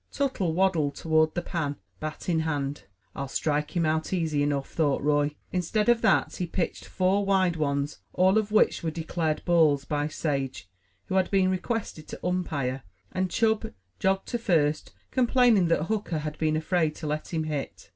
Tuttle waddled toward the pan, bat in hand. "I'll strike him out easy enough," thought Roy. Instead of that, he pitched four wide ones, all of which were declared balls by Sage, who had been requested to umpire; and Chub jogged to first, complaining that Hooker had been afraid to let him hit.